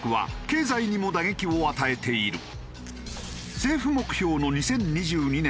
政府目標の２０２２年